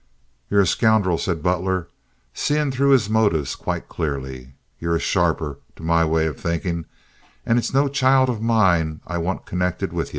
"Ye're a scoundrel," said Butler, seeing through his motives quite clearly. "Ye're a sharper, to my way of thinkin', and it's no child of mine I want connected with ye.